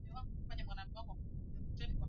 asilimia nne point Saba na kati yake inaongoza